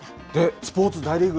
スポーツ大リーグ